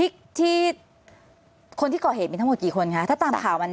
คนที่ก่อเหตุเป็นทั้งหมดกี่คนคะถ้าตามผ่าวัน๓